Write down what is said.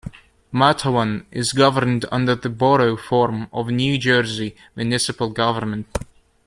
Matawan is governed under the Borough form of New Jersey municipal government.